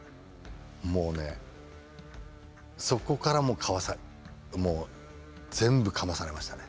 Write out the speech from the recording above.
もうねそこからもう全部かまされましたね。